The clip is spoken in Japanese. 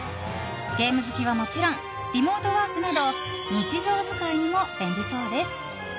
ゲーム好きはもちろんリモートワークなど日常使いにも便利そうです。